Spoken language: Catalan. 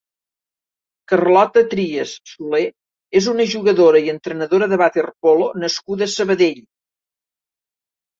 Carlota Trias Solé és una jugadora i entrenadora de waterpolo nascuda a Sabadell.